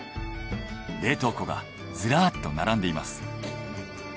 冷凍庫がズラッと並んでいます。